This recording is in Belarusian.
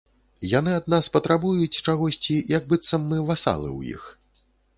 Яны ад нас патрабуюць чагосьці, як быццам мы васалы ў іх.